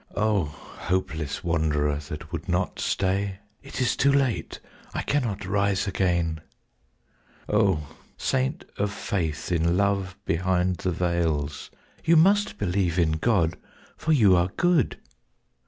O hopeless wanderer that would not stay, ("It is too late, I cannot rise again!") O saint of faith in love behind the veils, ("You must believe in God, for you are good!")